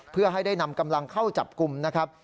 เพื่อให้ได้นำกำลังเข้าจับกลุ่มนะครับ